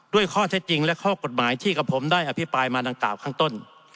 ด้วยข้อเท็จจริงและข้อกฎหมายที่กับผมได้อภิปรายมาดังกล่าวข้างต้น